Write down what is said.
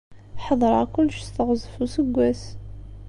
Ḥedṛeɣ kullec s teɣzef n useggas.